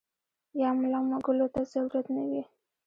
يا ملا مږلو ته ضرورت نۀ وي -